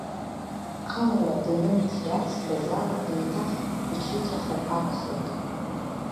Амра данымҵиарс Базала еиҭах иҽиҵәахыр акәхеит.